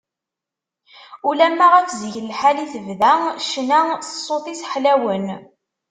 Ulamma ɣef zik n lḥal i tebda ccna s ṣṣut-is ḥlawen.